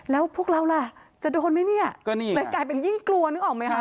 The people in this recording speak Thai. แล้วพวกเราล่ะจะโดนไหมแต่กลายเป็นยิ่งกลัวนึกออกไหมค่ะ